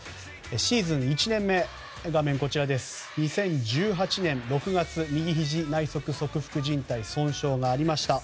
シーズン１年目、２０１８年６月右ひじ内側側副じん帯損傷がありました。